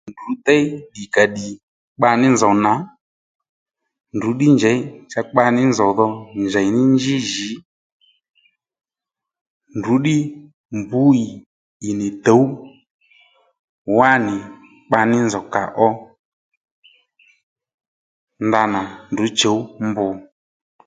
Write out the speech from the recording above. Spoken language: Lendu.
Ndrǔ déy ddìkàddì kpa ní nzòw nà ndrǔ ddí njèy cha kpa ní nzòw dho njèy ní njí jì ndrǔ ddí bbú ì ì nì tǔw wánì kpa ní nzòw kà ó ndanà ndrú chǔw mbr